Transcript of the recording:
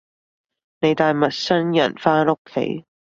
你帶陌生人返屋企